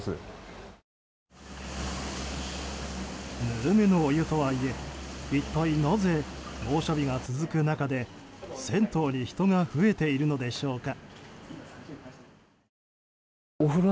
ぬるめのお湯とはいえ一体なぜ猛暑日が続く中で銭湯に人が増えているのでしょうか。